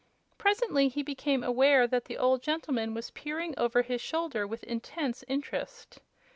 Presently he became aware that the old gentleman was peering over his shoulder with intense interest.